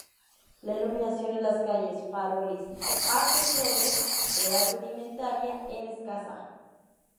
La iluminación en las calles faroles a petróleo era rudimentaria es escasa.